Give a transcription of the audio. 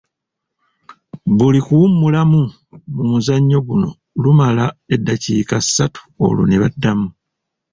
Buli kuwummulamu mu muzannyo guno lumala eddakiika ssatu olwo ne baddamu.